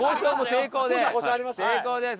成功です！